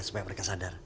supaya mereka sadar